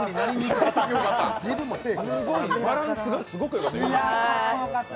すごいバランスがすごくよかった。